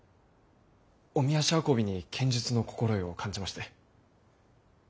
おみ足運びに剣術の心得を感じまして。